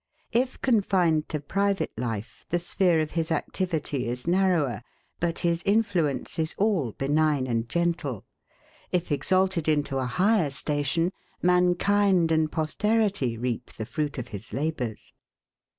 If confined to private life, the sphere of his activity is narrower; but his influence is all benign and gentle. If exalted into a higher station, mankind and posterity reap the fruit of his labours.